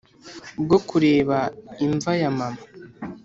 bwo kureba imva ya mama